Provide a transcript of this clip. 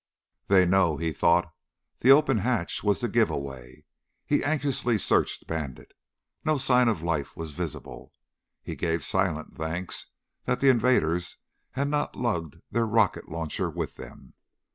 They know, he thought. The open hatch was the giveaway. He anxiously searched Bandit. No sign of life was visible. He gave silent thanks that the invaders had not lugged their rocket launcher with them.